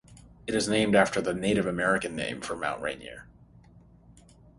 It is named after the Native American name for Mount Rainier.